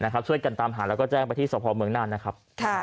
ช่วยกันตามหาแล้วก็แจ้งไปที่สพเมืองน่านนะครับ